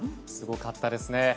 すごかったですね。